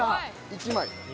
１枚。